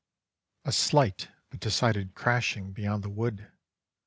A slight but decided crashing beyond the wood.